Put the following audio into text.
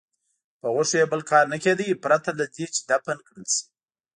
په غوښو یې بل کار نه کېده پرته له دې چې دفن کړل شي.